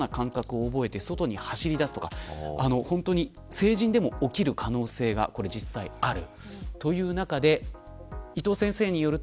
成人でも起きる可能性が実際にある。